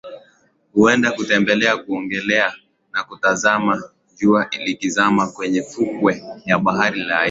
Huenda kutembelea kuogelea na kutazama jua likizama kwenye fukwe ya bahari ya Hindi